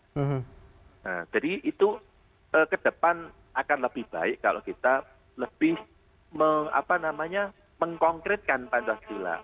nah jadi itu ke depan akan lebih baik kalau kita lebih mengkonkretkan pancasila